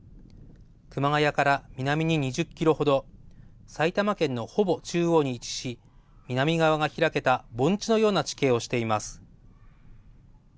熊谷から南に２０ｋｍ程埼玉県のほぼ中央に位置し南側が開けた盆地のような地形をしています。